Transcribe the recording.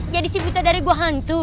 jadi si buta dari gua hantu